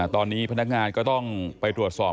ตอนนี้พนักงานก็ต้องไปตรวจสอบ